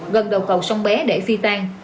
gần đầu cầu sông bé để phi tan